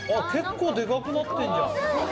結構でかくなってんじゃん。